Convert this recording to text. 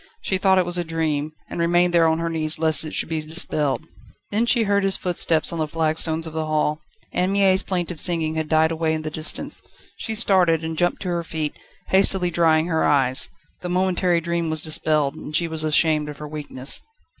She thought it was a dream, and remained there on her knees lest it should be dispelled. Then she heard his footsteps on the flagstones of the hall. Anne Mie's plaintive singing had died away in the distance. She started, and jumped to her feet, hastily drying her eyes. The momentary dream was dispelled, and she was ashamed of her weakness.